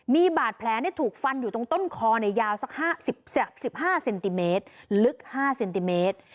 มีบาดแผลที่ถูกฟันอยู่ตรงต้นคอในยาวสักห้าสิบสิบห้าเซนติเมตรลึกห้าเซนติเมตร